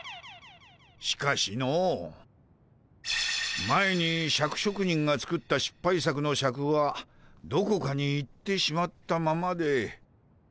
しかしの前にシャク職人が作ったしっぱい作のシャクはどこかに行ってしまったままで。